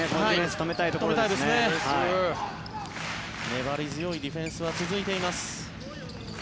粘り強いディフェンスは続いています。